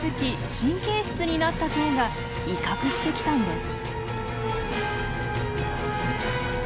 神経質になったゾウが威嚇してきたんです。